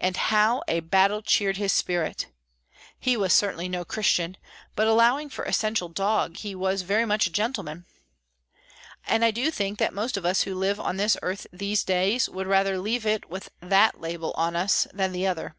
And how a battle cheered his spirit! He was certainly no Christian; but, allowing for essential dog, he was very much a gentleman. And I do think that most of us who live on this earth these days would rather leave it with that label on us than the other.